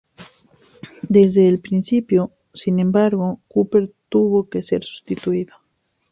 Desde el principio, sin embargo, Cooper tuvo que ser sustituido.